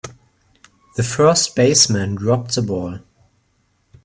The first baseman dropped the ball.